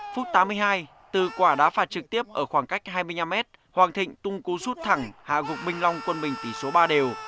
phút tám mươi hai từ quả đá phạt trực tiếp ở khoảng cách hai mươi năm m hoàng thịnh tung cú rút thẳng hạ gục minh long quân mình tỷ số ba đều